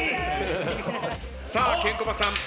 さあケンコバさん